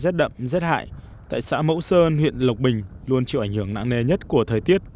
rét đậm rét hại tại xã mẫu sơn huyện lộc bình luôn chịu ảnh hưởng nặng nề nhất của thời tiết